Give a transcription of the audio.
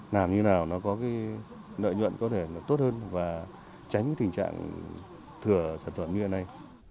làm như nào nó có cái nợ nhuận có thể tốt hơn và tránh cái tình trạng thừa sản xuất như thế này